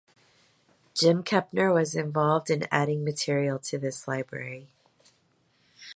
Jim Kepner was involved in adding material to this library.